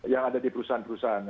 yang ada di perusahaan perusahaan